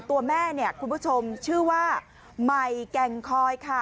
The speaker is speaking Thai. ตัวแม่คุณผู้ชมชื่อว่าไหมแกงคอยค่ะ